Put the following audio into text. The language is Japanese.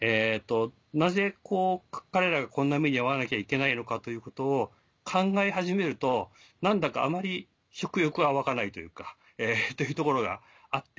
なぜ彼らがこんな目に遭わなきゃいけないのかということを考え始めると何だかあまり食欲は湧かないというところがあって。